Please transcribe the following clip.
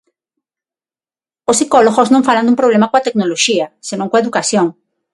Os psicólogos non falan dun problema coa tecnoloxía senón coa educación.